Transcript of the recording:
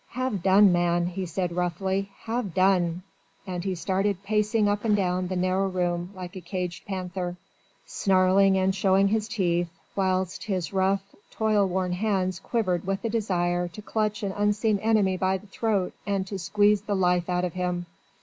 "Have done, man," he said roughly, "have done!" And he started pacing up and down the narrow room like a caged panther, snarling and showing his teeth, whilst his rough, toil worn hands quivered with the desire to clutch an unseen enemy by the throat and to squeeze the life out of him.